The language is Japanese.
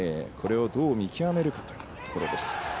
これをどう見極めるかというところです。